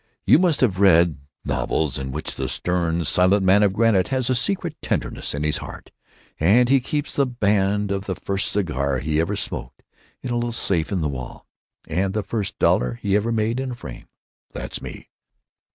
You must have read novels in which the stern, silent man of granite has a secret tenderness in his heart, and he keeps the band of the first cigar he ever smoked in a little safe in the wall, and the first dollar he ever made in a frame—that's me."